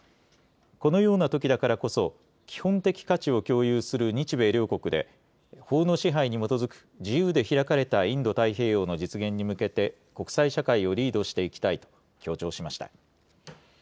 このようなときだからこそ、基本的価値を共有する日米両国で、法の支配に基づく自由で開かれたインド太平洋の実現に向けて、国際社会をリードしていきたいと強調しました。